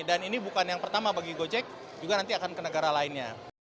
dan ini bukan yang pertama bagi gojek juga nanti akan ke negara lainnya